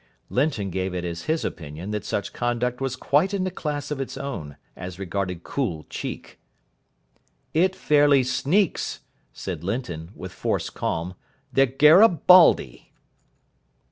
Linton gave it as his opinion that such conduct was quite in a class of its own as regarded cool cheek. "It fairly sneaks," said Linton, with forced calm, "the Garibaldi."